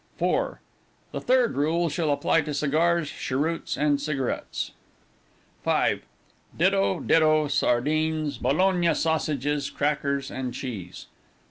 4. The third rule shall apply to cigars, cheroots, and cigaretts. 5. Ditto ditto sardines, Bologna sausages, crackers and cheese.